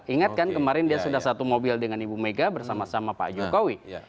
ingat kan kemarin dia sudah satu mobil dengan ibu mega bersama sama pak jokowi